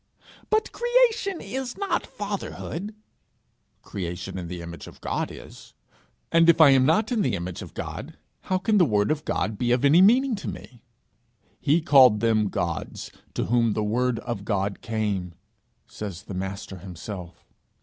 'But creation is not fatherhood.' 'Creation in the image of God, is. And if I am not in the image of God, how can the word of God be of any meaning to me? "He called them gods to whom the word of God came," says the Master himself.